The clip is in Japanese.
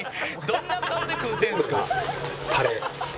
どんな顔で食うてるんですか」